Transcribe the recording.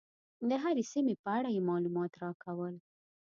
د هرې سیمې په اړه یې معلومات راکول.